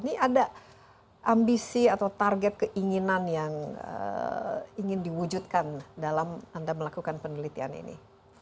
ini ada ambisi atau target keinginan yang ingin diwujudkan dalam anda melakukan penelitian ini